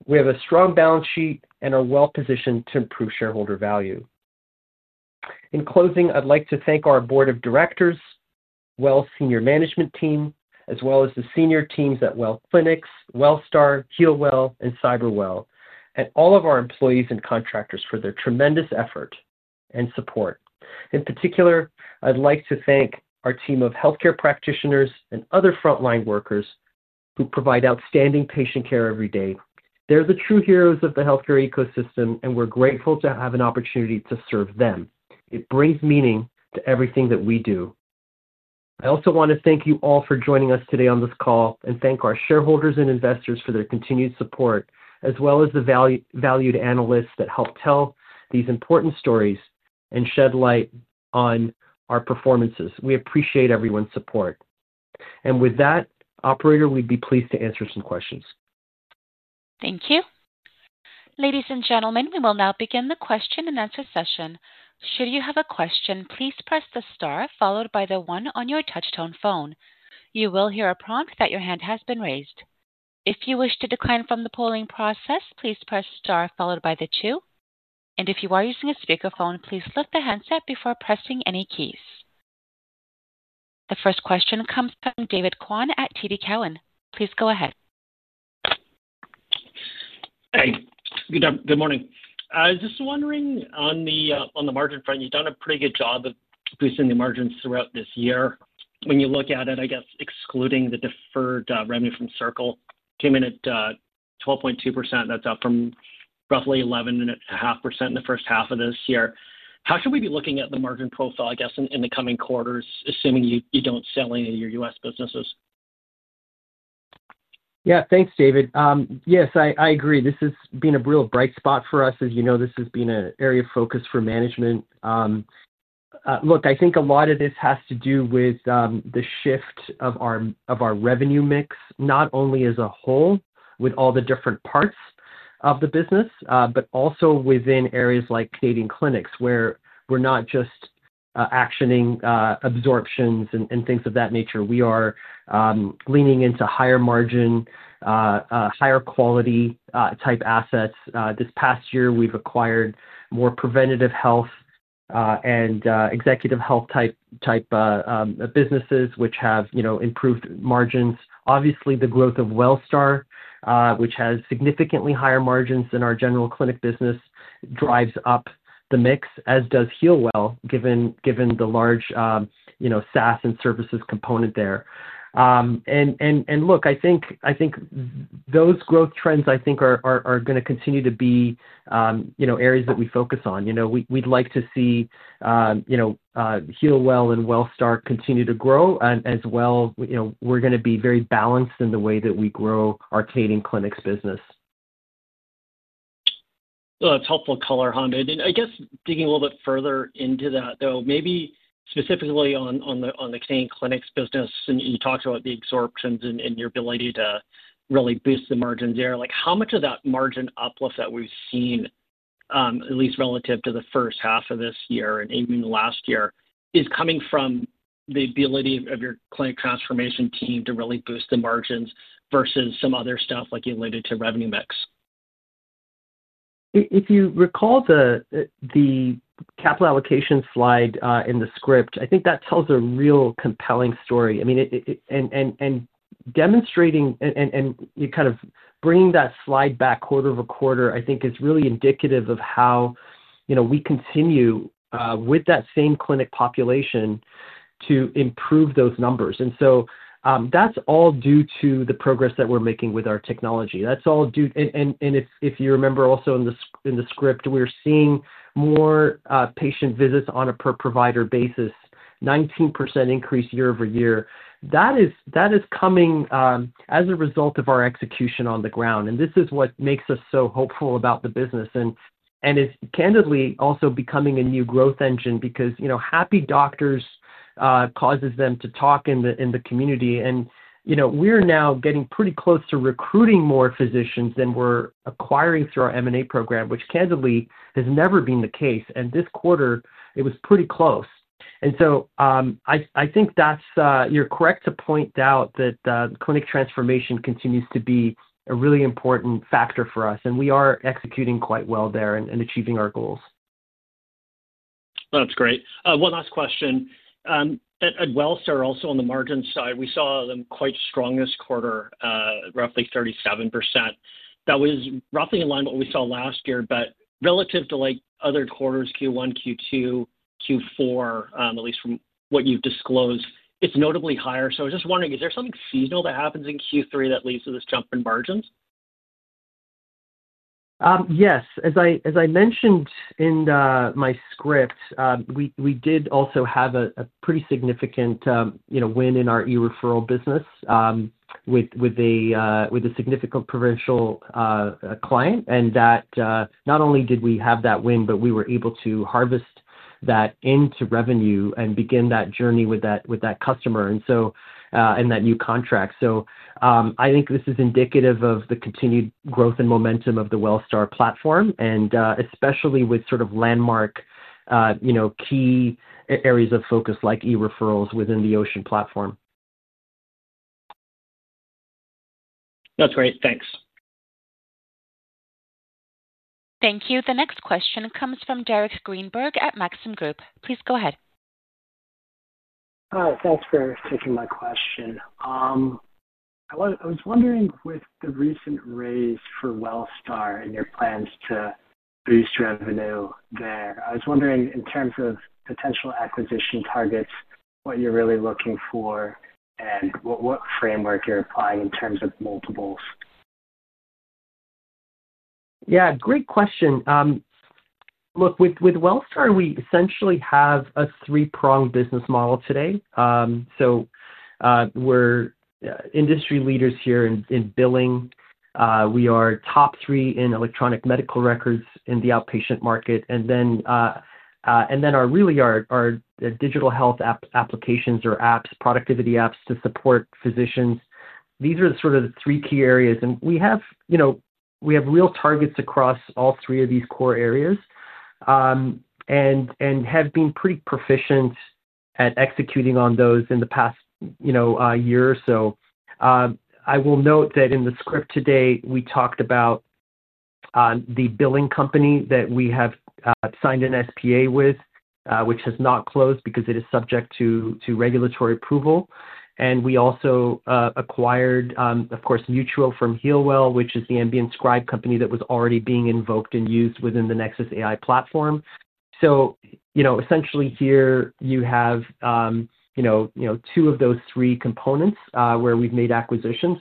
Speaker 3: We have a strong balance sheet and are well-positioned to improve shareholder value. In closing, I'd like to thank our board of directors, WELL's senior management team, as well as the senior teams at WELL Clinics, WELLSTAR, HealWell, and CyberWell, and all of our employees and contractors for their tremendous effort and support. In particular, I'd like to thank our team of healthcare practitioners and other frontline workers who provide outstanding patient care every day. They're the true heroes of the healthcare ecosystem, and we're grateful to have an opportunity to serve them. It brings meaning to everything that we do. I also want to thank you all for joining us today on this call and thank our shareholders and investors for their continued support, as well as the valued analysts that helped tell these important stories and shed light on our performances. We appreciate everyone's support. With that, Operator, we'd be pleased to answer some questions.
Speaker 1: Thank you. Ladies and gentlemen, we will now begin the question-and-answer session. Should you have a question, please press the star followed by the one on your touchtone phone. You will hear a prompt that your hand has been raised. If you wish to decline from the polling process, please press star followed by the two. If you are using a speakerphone, please lift the handset before pressing any keys. The first question comes from David Kwan at TD Cowen. Please go ahead.
Speaker 5: Hey. Good morning. I was just wondering on the margin front, you've done a pretty good job of producing the margins throughout this year. When you look at it, I guess, excluding the deferred revenue from Circle, came in at 12.2%. That's up from roughly 11.5% in the first half of this year. How should we be looking at the margin profile, I guess, in the coming quarters, assuming you don't sell any of your US businesses?
Speaker 3: Yeah, thanks, David. Yes, I agree. This has been a real bright spot for us. As you know, this has been an area of focus for management. Look, I think a lot of this has to do with the shift of our revenue mix, not only as a whole with all the different parts of the business, but also within areas like Canadian clinics, where we're not just actioning absorptions and things of that nature. We are leaning into higher margin, higher quality type assets. This past year, we've acquired more preventative health and executive health type businesses, which have improved margins. Obviously, the growth of WELLSTAR, which has significantly higher margins than our general clinic business, drives up the mix, as does HealWell, given the large SaaS and services component there. I think those growth trends, I think, are going to continue to be areas that we focus on. We'd like to see HealWell and WELLSTAR continue to grow, and as well, we're going to be very balanced in the way that we grow our Canadian clinics business.
Speaker 5: That's helpful color, Hamed. I guess digging a little bit further into that, though, maybe specifically on the Canadian clinics business, and you talked about the absorptions and your ability to really boost the margins there, how much of that margin uplift that we've seen, at least relative to the first half of this year and even last year, is coming from the ability of your clinic transformation team to really boost the margins versus some other stuff like you alluded to revenue mix?
Speaker 3: If you recall, the capital allocation slide in the script, I think that tells a real compelling story. Demonstrating and kind of bringing that slide back quarter over quarter, I think, is really indicative of how we continue with that same clinic population to improve those numbers. That is all due to the progress that we're making with our technology. That's all due to—and if you remember also in the script, we're seeing more patient visits on a per provider basis, 19% increase year-over-year. That is coming as a result of our execution on the ground. This is what makes us so hopeful about the business. It's candidly also becoming a new growth engine because happy doctors cause them to talk in the community. We're now getting pretty close to recruiting more physicians than we're acquiring through our M&A program, which candidly has never been the case. This quarter, it was pretty close. I think you're correct to point out that clinic transformation continues to be a really important factor for us. We are executing quite well there and achieving our goals.
Speaker 5: That's great. One last question. At WELLSTAR, also on the margin side, we saw them quite strong this quarter, roughly 37%. That was roughly in line with what we saw last year, but relative to other quarters, Q1, Q2, Q4, at least from what you've disclosed, it's notably higher. I was just wondering, is there something seasonal that happens in Q3 that leads to this jump in margins?
Speaker 3: Yes. As I mentioned in my script, we did also have a pretty significant win in our e-referral business with a significant provincial client. Not only did we have that win, but we were able to harvest that into revenue and begin that journey with that customer and that new contract. I think this is indicative of the continued growth and momentum of the WELLSTAR platform, and especially with sort of landmark key areas of focus like e-referrals within the Ocean platform.
Speaker 5: That's great. Thanks.
Speaker 1: Thank you. The next question comes from Derek Greenberg at Maxim Group. Please go ahead.
Speaker 6: Hi. Thanks for taking my question. I was wondering, with the recent raise for WELLSTAR and your plans to boost revenue there, I was wondering, in terms of potential acquisition targets, what you're really looking for and what framework you're applying in terms of multiples.
Speaker 3: Yeah. Great question. Look, with WELLSTAR, we essentially have a three-pronged business model today. We're industry leaders here in billing. We are top three in electronic medical records in the outpatient market. Really our digital health applications or apps, productivity apps to support physicians. These are sort of the three key areas. We have real targets across all three of these core areas and have been pretty proficient at executing on those in the past year or so. I will note that in the script today, we talked about the billing company that we have signed an SPA with, which has not closed because it is subject to regulatory approval. We also acquired, of course, Neutro from HealWell, which is the ambient scribe company that was already being invoked and used within the Nexus AI platform. Essentially here, you have two of those three components where we've made acquisitions.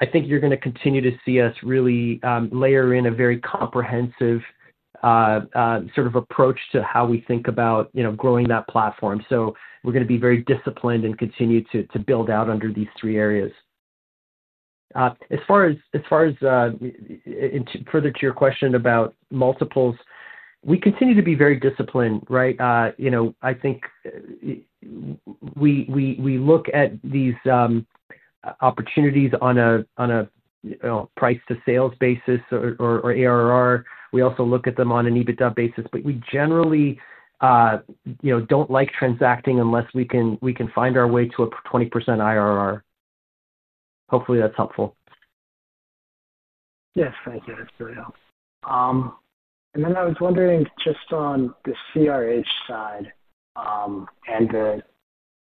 Speaker 3: I think you're going to continue to see us really layer in a very comprehensive sort of approach to how we think about growing that platform. We are going to be very disciplined and continue to build out under these three areas. As far as further to your question about multiples, we continue to be very disciplined, right? I think we look at these opportunities on a price-to-sales basis or ARR. We also look at them on an EBITDA basis. We generally do not like transacting unless we can find our way to a 20% IRR. Hopefully, that is helpful.
Speaker 6: Yes. Thank you. That is really helpful. I was wondering just on the CRH side and the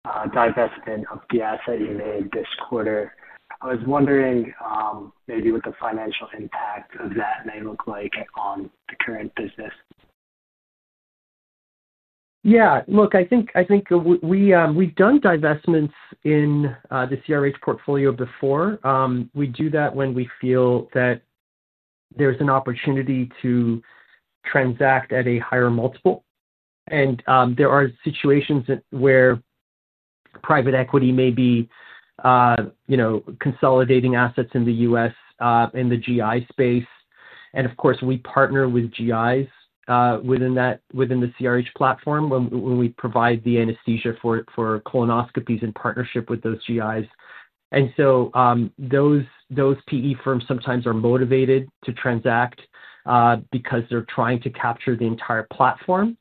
Speaker 6: divestment of the asset you made this quarter. I was wondering maybe what the financial impact of that may look like on the current business.
Speaker 3: Yeah. Look, I think we have done divestments in the CRH portfolio before. We do that when we feel that there is an opportunity to transact at a higher multiple. There are situations where private equity may be consolidating assets in the US in the GI space. Of course, we partner with GIs within the CRH platform when we provide the anesthesia for colonoscopies in partnership with those GIs. Those PE firms sometimes are motivated to transact because they're trying to capture the entire platform.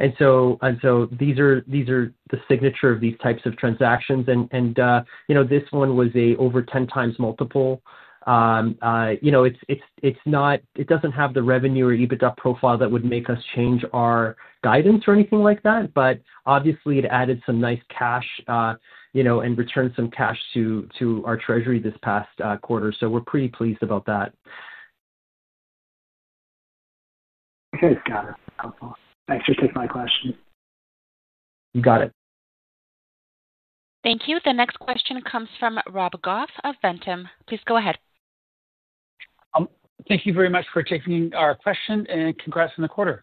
Speaker 3: These are the signature of these types of transactions. This one was an over 10 times multiple. It doesn't have the revenue or EBITDA profile that would make us change our guidance or anything like that. Obviously, it added some nice cash and returned some cash to our treasury this past quarter. We're pretty pleased about that.
Speaker 6: Okay. Got it. Helpful. Thanks for taking my question.
Speaker 3: G`ot it.
Speaker 1: Thank you. The next question comes from Rob Goff of Ventum. Please go ahead.
Speaker 7: Thank you very much for taking our question and congrats on the quarter.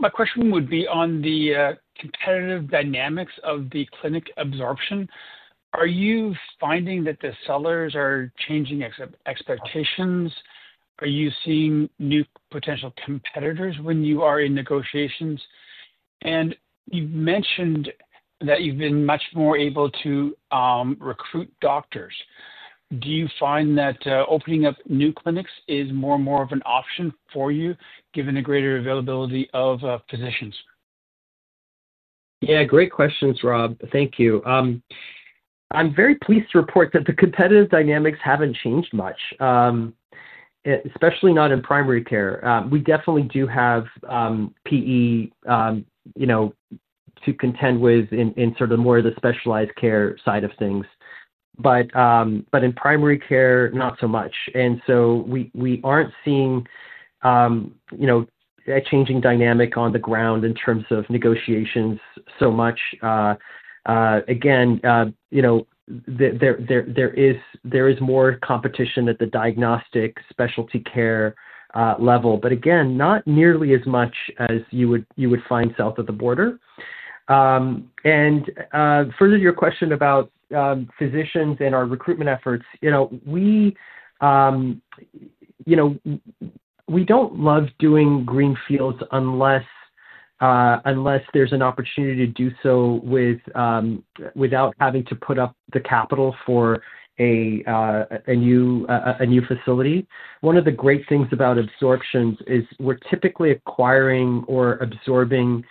Speaker 7: My question would be on the competitive dynamics of the clinic absorption. Are you finding that the sellers are changing expectations? Are you seeing new potential competitors when you are in negotiations? You mentioned that you've been much more able to recruit doctors. Do you find that opening up new clinics is more and more of an option for you, given the greater availability of physicians?
Speaker 3: Yeah. Great questions, Rob. Thank you. I'm very pleased to report that the competitive dynamics haven't changed much, especially not in primary care. We definitely do have PE to contend with in sort of more of the specialized care side of things, but in primary care, not so much. We aren't seeing a changing dynamic on the ground in terms of negotiations so much. There is more competition at the diagnostic specialty care level, but again, not nearly as much as you would find south of the border. Further to your question about physicians and our recruitment efforts, we don't love doing greenfields unless there's an opportunity to do so. Without having to put up the capital for a new facility. One of the great things about absorptions is we're typically acquiring or absorbing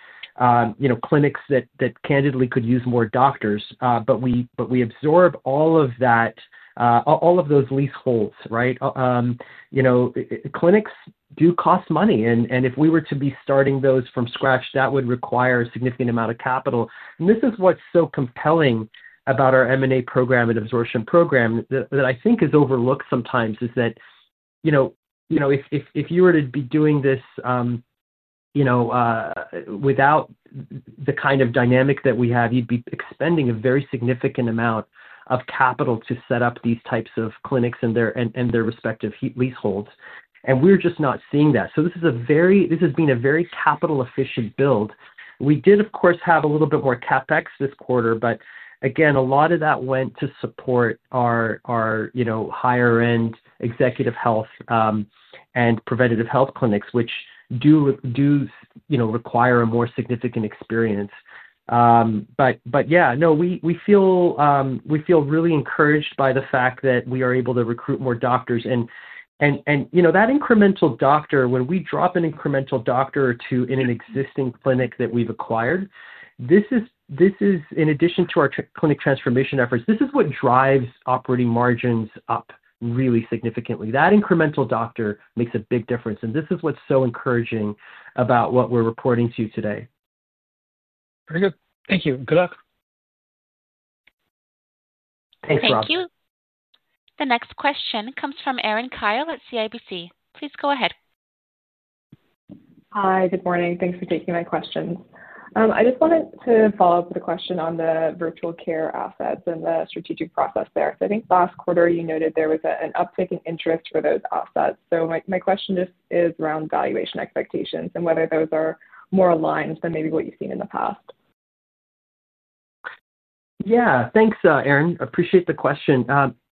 Speaker 3: clinics that candidly could use more doctors. We absorb all of that, all of those leaseholds, right? Clinics do cost money. If we were to be starting those from scratch, that would require a significant amount of capital. This is what's so compelling about our M&A program and absorption program that I think is overlooked sometimes, is that if you were to be doing this without the kind of dynamic that we have, you'd be expending a very significant amount of capital to set up these types of clinics and their respective leaseholds. We're just not seeing that. This has been a very capital-efficient build. We did, of course, have a little bit more CapEx this quarter. Again, a lot of that went to support our higher-end executive health and preventative health clinics, which do require a more significant experience. Yeah, no, we feel really encouraged by the fact that we are able to recruit more doctors. That incremental doctor, when we drop an incremental doctor in an existing clinic that we have acquired, this is, in addition to our clinic transformation efforts, what drives operating margins up really significantly. That incremental doctor makes a big difference. This is what is so encouraging about what we are reporting to you today.
Speaker 7: Very good. Thank you. Good luck.
Speaker 3: Thanks, Rob.
Speaker 1: Thank you. The next question comes from Erin Kyle at CIBC. Please go ahead.
Speaker 8: Hi. Good morning. Thanks for taking my questions. I just wanted to follow up with a question on the virtual care assets and the strategic process there. I think last quarter, you noted there was an uptick in interest for those assets. My question is around valuation expectations and whether those are more aligned than maybe what you've seen in the past.
Speaker 3: Yeah. Thanks, Erin. Appreciate the question.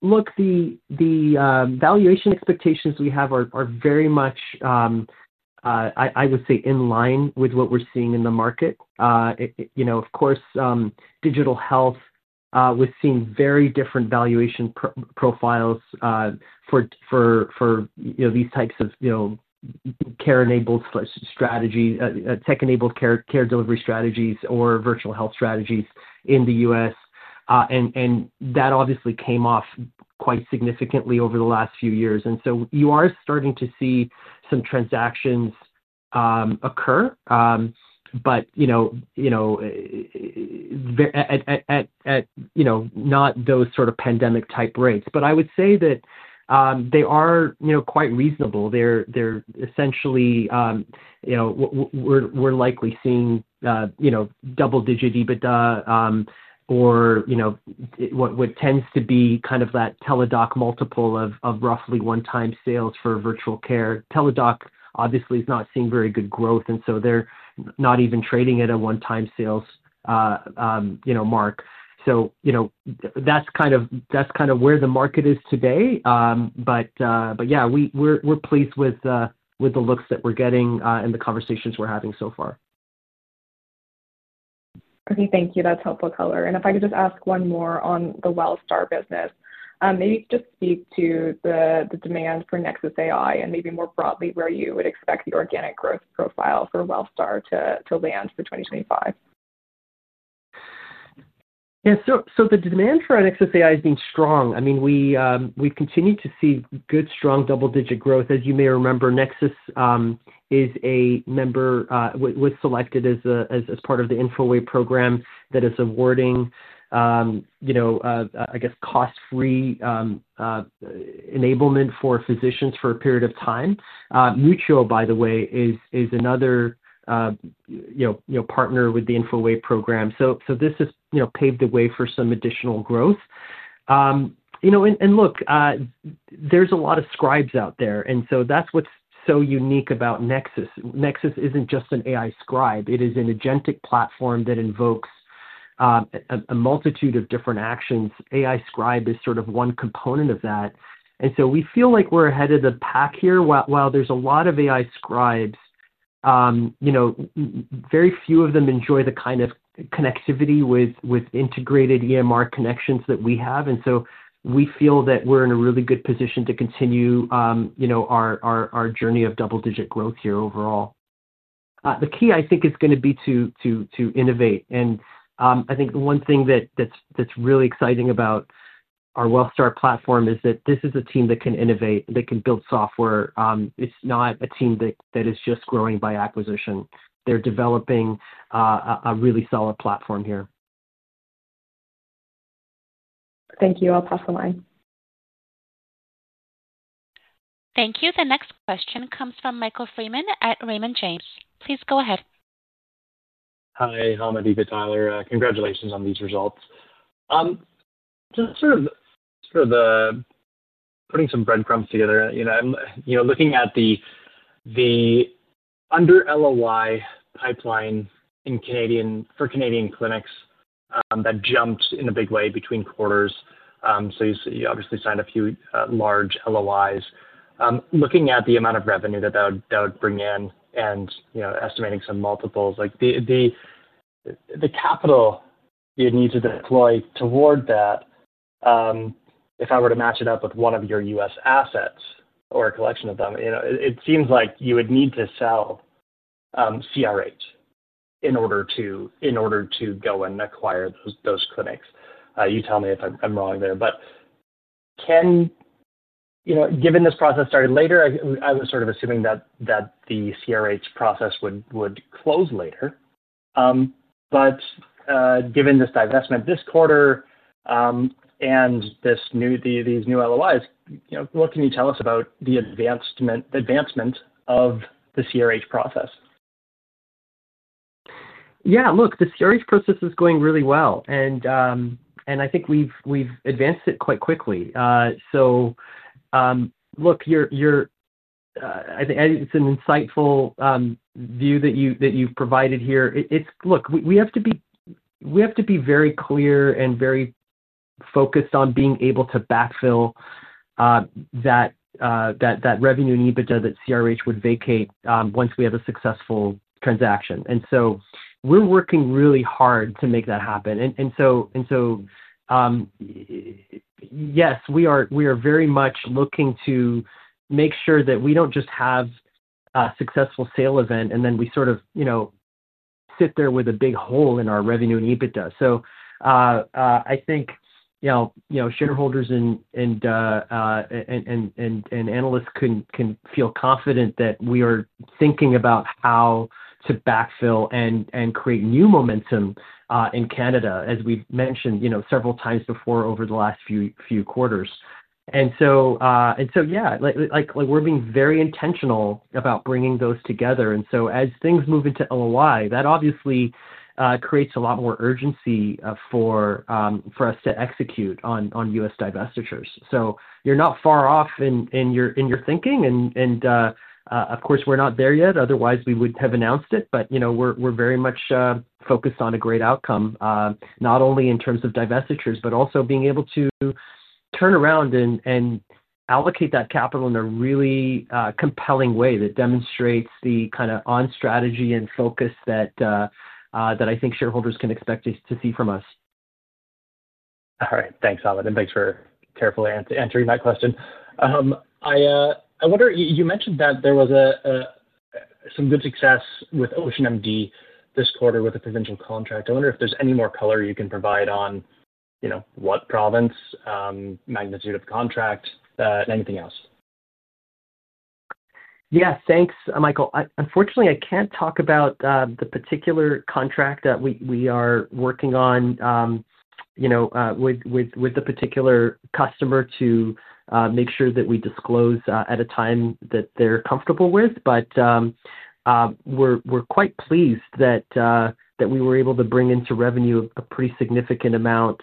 Speaker 3: Look, the valuation expectations we have are very much, I would say, in line with what we're seeing in the market. Of course, digital health was seeing very different valuation profiles for these types of care-enabled, tech-enabled care delivery strategies or virtual health strategies in the US. That obviously came off quite significantly over the last few years. You are starting to see some transactions occur, but not those sort of pandemic-type rates. I would say that they are quite reasonable. They're essentially, we're likely seeing double-digit EBITDA. Or. What tends to be kind of that Teladoc multiple of roughly one-time sales for virtual care. Teladoc, obviously, is not seeing very good growth, and so they're not even trading at a one-time sales mark. That is kind of where the market is today. Yeah, we're pleased with the looks that we're getting and the conversations we're having so far. Okay. Thank you. That's helpful, color. If I could just ask one more on the WELLSTAR business. Maybe just speak to the demand for Nexus AI and maybe more broadly where you would expect the organic growth profile for WELLSTAR to land for 2025. Yeah. The demand for Nexus AI has been strong. I mean, we've continued to see good, strong double-digit growth. As you may remember, Nexus is a member, was selected as part of the InfoWave program that is awarding, I guess, cost-free. Enablement for physicians for a period of time. Mutual, by the way, is another partner with the InfoWave program. This has paved the way for some additional growth. Look, there is a lot of scribes out there. That is what is so unique about Nexus. Nexus is not just an AI scribe. It is an agentic platform that invokes a multitude of different actions. AI scribe is sort of one component of that. We feel like we are ahead of the pack here. While there are a lot of AI scribes, very few of them enjoy the kind of connectivity with integrated EMR connections that we have. We feel that we are in a really good position to continue our journey of double-digit growth here overall. The key, I think, is going to be to innovate. I think the one thing that is really exciting about. Our WELLSTAR platform is that this is a team that can innovate, that can build software. It's not a team that is just growing by acquisition. They're developing a really solid platform here.
Speaker 8: Thank you. I'll pass the line.
Speaker 1: Thank you. The next question comes from Michael Freeman at Raymond James. Please go ahead.
Speaker 9: Hi, Hamed, Eva, Tyler. Congratulations on these results. Just sort of putting some breadcrumbs together. Looking at the under-LOI pipeline for Canadian clinics that jumped in a big way between quarters. So you obviously signed a few large LOIs. Looking at the amount of revenue that that would bring in and estimating some multiples, the capital you'd need to deploy toward that. If I were to match it up with one of your US assets or a collection of them, it seems like you would need to sell CRH in order to. Go and acquire those clinics. You tell me if I'm wrong there. Given this process started later, I was sort of assuming that the CRH process would close later. Given this divestment this quarter and these new LOIs, what can you tell us about the advancement of the CRH process?
Speaker 3: Yeah. Look, the CRH process is going really well. I think we've advanced it quite quickly. Look, it's an insightful view that you've provided here. We have to be very clear and very focused on being able to backfill that revenue and EBITDA that CRH would vacate once we have a successful transaction. We are working really hard to make that happen. Yes, we are very much looking to make sure that we don't just have a successful sale event and then we sort of. Sit there with a big hole in our revenue and EBITDA. I think shareholders and analysts can feel confident that we are thinking about how to backfill and create new momentum in Canada, as we've mentioned several times before over the last few quarters. We are being very intentional about bringing those together. As things move into LOI, that obviously creates a lot more urgency for us to execute on US divestitures. You are not far off in your thinking. Of course, we are not there yet. Otherwise, we would have announced it. We are very much focused on a great outcome, not only in terms of divestitures, but also being able to turn around and allocate that capital in a really compelling way that demonstrates the kind of on-strategy and focus that I think shareholders can expect to see from us. All right.
Speaker 9: Thanks, Hamed. Thanks for carefully answering that question. I wonder, you mentioned that there was some good success with Ocean MD this quarter with a provincial contract. I wonder if there's any more color you can provide on what province, magnitude of contract, and anything else?
Speaker 3: Yeah. Thanks, Michael. Unfortunately, I can't talk about the particular contract that we are working on with the particular customer to make sure that we disclose at a time that they're comfortable with. We're quite pleased that we were able to bring into revenue a pretty significant amount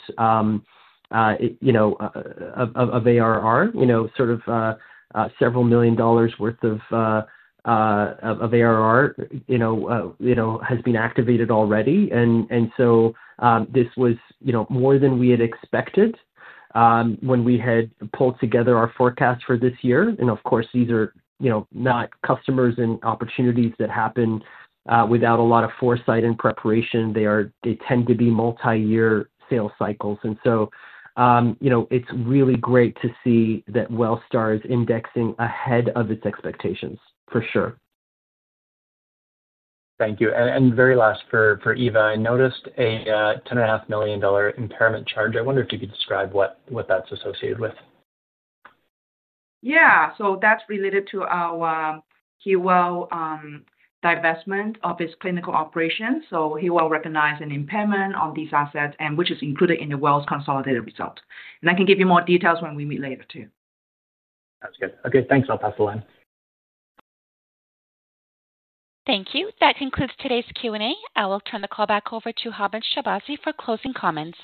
Speaker 3: of ARR, sort of several million dollars' worth of ARR has been activated already. This was more than we had expected when we had pulled together our forecast for this year. Of course, these are not customers and opportunities that happen without a lot of foresight and preparation. They tend to be multi-year sales cycles. It is really great to see that WELLSTAR is indexing ahead of its expectations, for sure.
Speaker 9: Thank you. Very last for Eva, I noticed a 10.5 million dollar impairment charge. I wonder if you could describe what that is associated with.
Speaker 4: Yeah. That is related to our HealWell divestment of its clinical operations. HealWell recognized an impairment on these assets, which is included in WELL's consolidated result. I can give you more details when we meet later too.
Speaker 9: That is good. Okay. Thanks. I will pass the line.
Speaker 1: Thank you. That concludes today's Q&A. I will turn the call back over to Hamed Shahbazi for closing comments.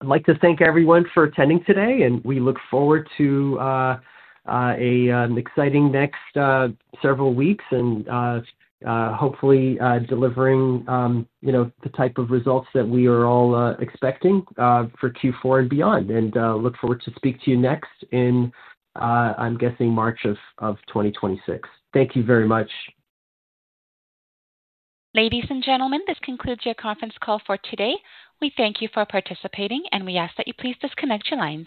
Speaker 3: I would like to thank everyone for attending today. We look forward to an exciting next several weeks and hopefully delivering. The type of results that we are all expecting for Q4 and beyond. I look forward to speaking to you next in, I'm guessing, March of 2026. Thank you very much. Ladies and gentlemen, this concludes your conference call for today. We thank you for participating, and we ask that you please disconnect your lines.